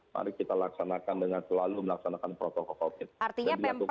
mari kita laksanakan dengan selalu melaksanakan protokol covid